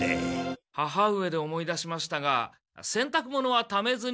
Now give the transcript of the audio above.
母上で思い出しましたがせんたく物はためずに。